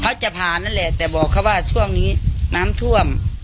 เค้าจะผ่านั่นเนี่ยแต่บอกเค้าว่าช่วงนี้น้ำพร่อม